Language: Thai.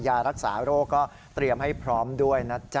ยารักษาโรคก็เตรียมให้พร้อมด้วยนะจ๊ะ